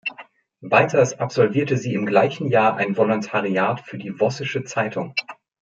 Weiters absolvierte sie im gleichen Jahr ein Volontariat für die Vossische Zeitung.